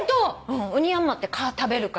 オニヤンマって蚊食べるから。